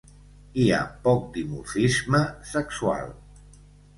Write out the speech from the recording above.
Hi ha poc dimorfisme sexual.